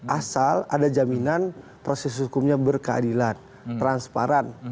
asal ada jaminan proses hukumnya berkeadilan transparan